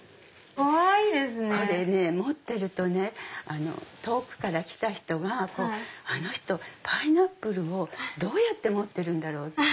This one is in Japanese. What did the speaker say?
これね持ってるとね遠くから来た人があの人パイナップルをどう持ってるんだろう？って。